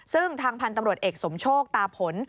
ซึ่งทางพันธุ์ตำรวจเอกสมโชคตาผล